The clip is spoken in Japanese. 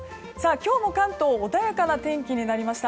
今日も関東穏やかな天気になりました。